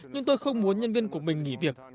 nhưng tôi không muốn nhân viên của mình nghỉ việc